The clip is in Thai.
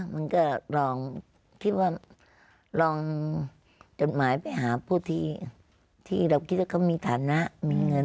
มันก็ลองคิดว่าลองจดหมายไปหาผู้ที่เราคิดว่าเขามีฐานะมีเงิน